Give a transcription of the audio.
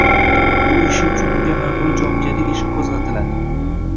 Bu ishi uchun unga ma`muriy javobgarlik ishi qo`zg`atiladi